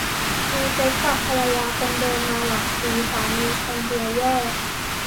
มีเซ็กส์กับภรรยาคนเดิมมาหลายปีสามีคงเบื่อแย่